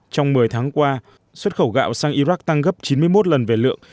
trong một mươi tháng qua xuất khẩu gạo sang iraq tăng gấp chín mươi một lần về lượng